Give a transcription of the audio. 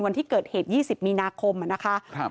วันที่เกิดเหตุยี่สิบมีนาคมอ่ะนะคะครับ